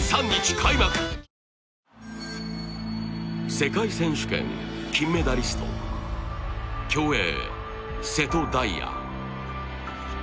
世界選手権金メダリスト競泳瀬戸大也